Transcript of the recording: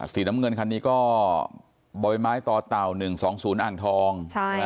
สีน้ำเงินคันนี้ก็บ่อยไม้ต่อเต่า๑๒๐อ่างทอง